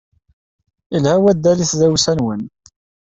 Yelha waddal i tdawsa-nwen.